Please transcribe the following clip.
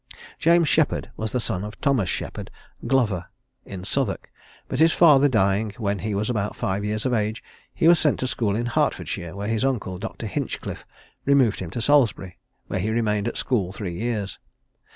James Sheppard was the son of Thomas Sheppard, glover, in Southwark; but his father dying when he was about five years of age, he was sent to school in Hertfordshire, whence his uncle, Dr. Hinchcliffe, removed him to Salisbury, where he remained at school three years.